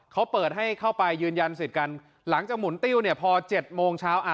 เขาเปิดให้เข้าไปยืนยันสิทธิ์กันหลังจากหมุนติ้วเนี่ยพอ๗โมงเช้าอ่ะ